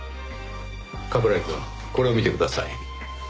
冠城くんこれを見てください。